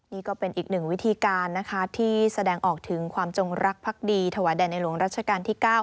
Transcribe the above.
นี่ก็เป็นอีกหนึ่งวิธีการนะคะที่แสดงออกถึงความจงรักภักดีถวายแด่ในหลวงรัชกาลที่๙